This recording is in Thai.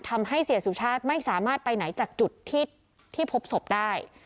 ทำให้เสียสุชาติไม่สามารถไปไหนจากจุดที่พบศพได้